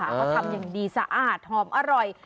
เขาทำอย่างดีสะอาดหอมอร่อย